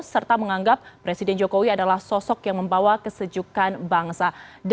serta menganggap presiden jokowi adalah sosok yang membawa kesejukan bangsa